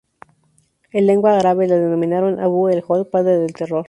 En lengua árabe la denominaron "Abu el-Hol" "Padre del Terror".